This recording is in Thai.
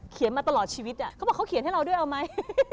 มาตลอดชีวิตเขาบอกเขาเขียนให้เราด้วยเอาไหม